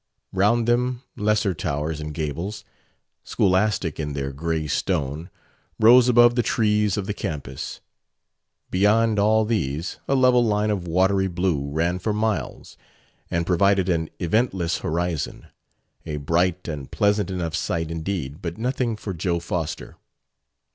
Round them lesser towers and gables, scholastic in their gray stone, rose above the trees of the campus. Beyond all these a level line of watery blue ran for miles and provided an eventless horizon. A bright and pleasant enough sight indeed, but nothing for Joe Foster.